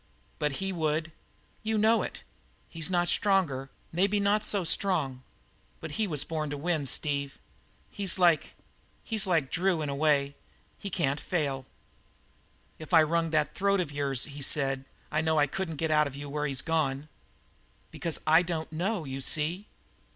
"But he would. You know it. He's not stronger, maybe not so strong. But he was born to win, Steve; he's like he's like Drew, in a way. He can't fail." "If I wrung that throat of yours," he said, "I know I couldn't get out of you where he's gone." "Because I don't know, you see."